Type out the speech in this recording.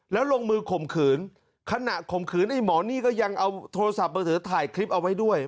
แล้วลงมือข่มขืนขณะข่มขืนไอ้หมอนี่ก็ยังเอาโทรศัพท์มือถือถ่ายคลิปเอาไว้ด้วย